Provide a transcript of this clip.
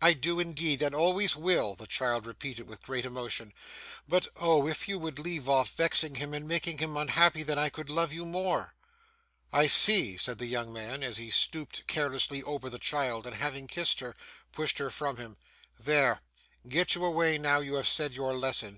'I do indeed, and always will,' the child repeated with great emotion, 'but oh! If you would leave off vexing him and making him unhappy, then I could love you more.' 'I see!' said the young man, as he stooped carelessly over the child, and having kissed her, pushed her from him: 'There get you away now you have said your lesson.